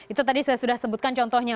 itu tadi saya sudah sebutkan contohnya